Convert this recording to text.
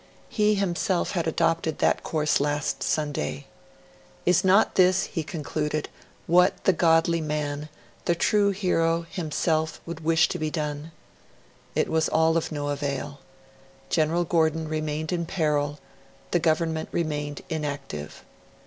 He himself had adopted that course last Sunday. 'Is not this,' he concluded, 'what the godly man, the true hero, himself would wish to be done?' It was all of no avail. General Gordon remained in peril; the Government remained inactive.